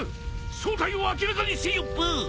正体を明らかにせよブ！